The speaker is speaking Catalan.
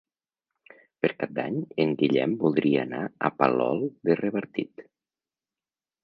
Per Cap d'Any en Guillem voldria anar a Palol de Revardit.